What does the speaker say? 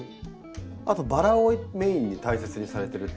あとバラをメインに大切にされてるっておっしゃって。